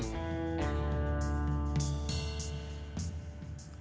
tar di mana dengan